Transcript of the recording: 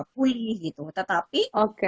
pulih gitu tetapi